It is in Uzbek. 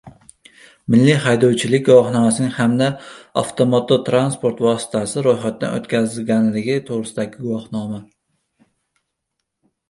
“Milliy haydovchilik guvohnomasining hamda avtomototransport vositasi ro‘yxatdan o‘tkazilganligi to‘g‘risidagi guvohnoma